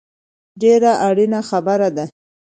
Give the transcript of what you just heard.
ډېره اړینه خبره ده